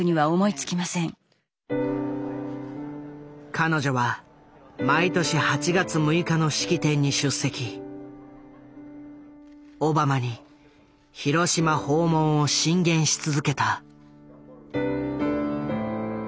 彼女は毎年８月６日の式典に出席オバマに広島訪問を進言し続けた。